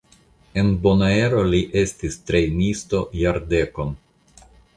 En Bonaero li estis trejnisto jardekon.